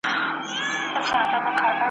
چي د «لر او بر یو افغان» ,